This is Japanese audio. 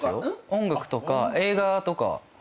音楽とか映画とか本とか。